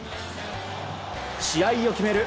試合を決める